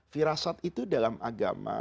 firasat itu dalam agama